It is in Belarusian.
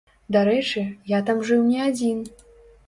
Дарэчы, я там жыў не адзін.